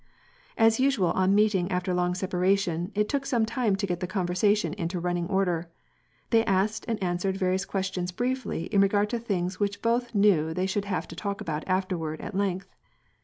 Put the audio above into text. As usual on meeting after a long separation, it took some time to get the conversation into running order ; they asked and answered various questions briefly in regard to things which both knew they should hav^e to talk about afterwaitl at length.